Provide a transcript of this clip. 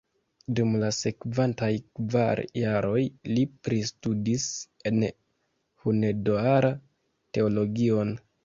Dum la sekvantaj kvar jaroj li pristudis en Hunedoara teologion.